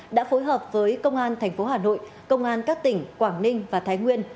đã phối hợp với công an tp hà nội công an các tỉnh quảng ninh và thái nguyên